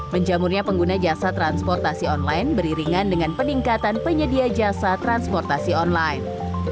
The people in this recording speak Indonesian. menjamurnya pengguna jasa transportasi online beriringan dengan peningkatan penyedia jasa transportasi online